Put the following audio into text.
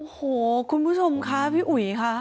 โอ้โหคุณผู้ชมค่ะพี่อุ๋ยค่ะ